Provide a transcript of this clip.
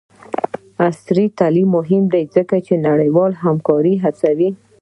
عصري تعلیم مهم دی ځکه چې د نړیوالې همکارۍ هڅوي.